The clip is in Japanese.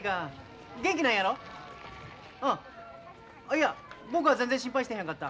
いや僕は全然心配してへんかった。